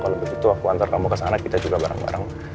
kalau begitu aku antar kamu ke sana kita juga bareng bareng